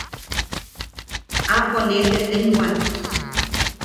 Aapo ne tetejwan.